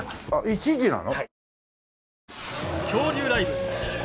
１字なの？